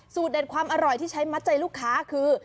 เด็ดความอร่อยที่ใช้มัดใจลูกค้าคือ